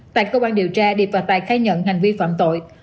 tại công an điều tra điệp và tài khai nhận hành vi phạm tội